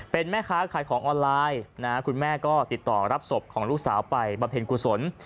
เป็นแม่ค้าขายของออนไลน์นะคุณแม่ก็ติดต่อรับศพของลูกสาวไปบำเพ็ญกุศล